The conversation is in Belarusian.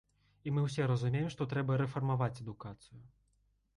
І мы ўсе разумеем, што трэба рэфармаваць адукацыю.